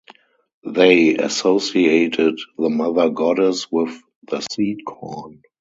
They associated the Mother Goddess with the seed corn.